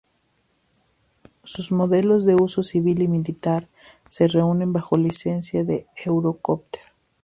Sus modelos de uso civil y militar, se reúnen bajo licencia de Eurocopter.